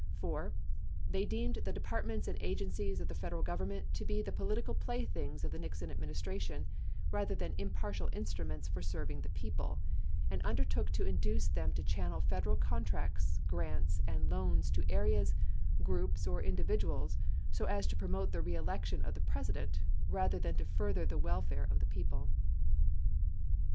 They deemed the departments and agencies of the Federal Gov ernment to be the political playthings of the Nixon administration rather than impartial instruments for serving the people, and under took to induce them to channel Federal contracts, grants, and loans to areas, groups, or individuals so as to promote the reelection of the President rather than to further the welfare of the people.